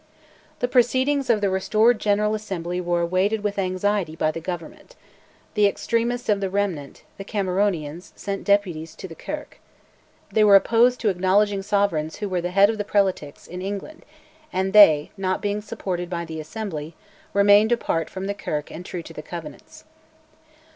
The proceedings of the restored General Assembly were awaited with anxiety by the Government. The extremists of the Remnant, the "Cameronians," sent deputies to the Kirk. They were opposed to acknowledging sovereigns who were "the head of the Prelatics" in England, and they, not being supported by the Assembly, remained apart from the Kirk and true to the Covenants.